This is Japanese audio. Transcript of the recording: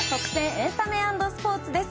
エンタメ＆スポーツです。